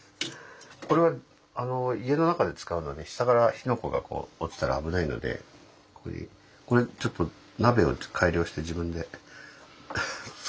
これは家の中で使うので下から火の粉が落ちたら危ないのでこれちょっと鍋を改良して自分で作ったんです。